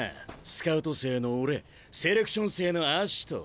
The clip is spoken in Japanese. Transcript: スカウト生の俺セレクション生のアシト。